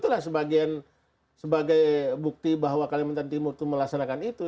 oleh sebab itulah sebagai bukti bahwa kalimantan timur itu melaksanakan itu